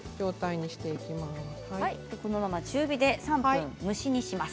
このまま中火で３分蒸し煮します。